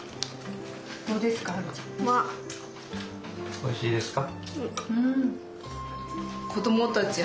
・おいしいですか？